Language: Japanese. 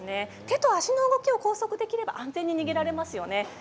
手と足の動きを拘束できれば安全に逃げられますね。